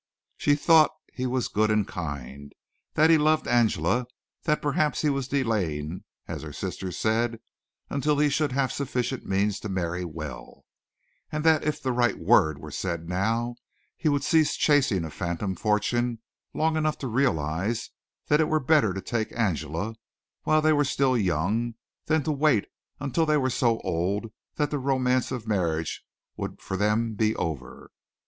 She thought he was good and kind, that he loved Angela, that perhaps he was delaying as her sister said until he should have sufficient means to marry well, and that if the right word were said now he would cease chasing a phantom fortune long enough to realize that it were better to take Angela while they were still young, than to wait until they were so old that the romance of marriage would for them be over.